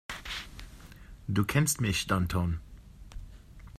Du kennst mich, Danton.